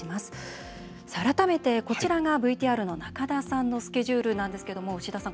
改めてこちらがＶＴＲの仲田さんのスケジュールですが牛田さん